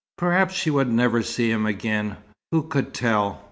Perhaps she would never see him again. Who could tell?